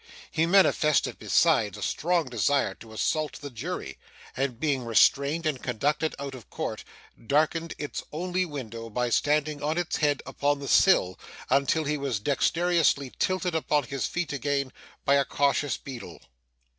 He manifested, besides, a strong desire to assault the jury; and being restrained and conducted out of court, darkened its only window by standing on his head upon the sill, until he was dexterously tilted upon his feet again by a cautious beadle.